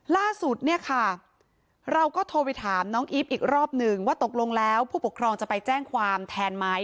ล่าสุดเนี่ยค่ะเราก็โทรไปถามน้องอีฟอีกรอบหนึ่งว่าตกลงแล้วผู้ปกครองจะไปแจ้งความแทนไหม